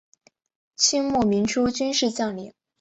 清末民初军事将领。